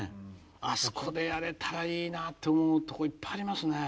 あそこでやれたらいいなって思うとこいっぱいありますね。